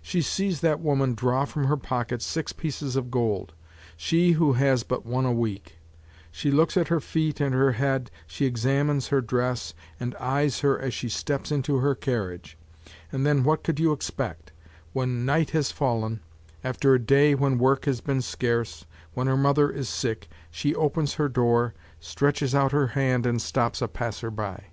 She sees that woman draw from her pocket six pieces of gold, she who has but one a week; she looks at her feet and her head, she examines her dress, and eyes her as she steps into her carriage; and then, what could you expect? When night has fallen, after a day when work has been scarce, when her mother is sick, she opens her door, stretches out her hand and stops a passer by.